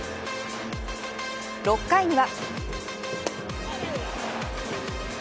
６回には。